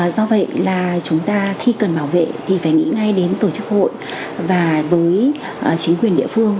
do vậy là chúng ta khi cần bảo vệ thì phải nghĩ ngay đến tổ chức hội và với chính quyền địa phương